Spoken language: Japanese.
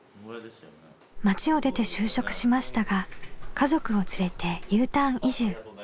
町を出て就職しましたが家族を連れてＵターン移住。